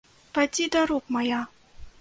Падзі да рук мая!